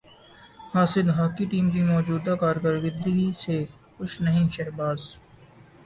حاسد hockey team کی موجودہ کارکردگی سے خوش نہیں شہباز